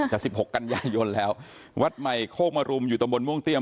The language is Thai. กับ๑๖กันย่ายนแล้ววัดใหม่โฆกมารุมอยู่ตรงบนมวงเตี้ยม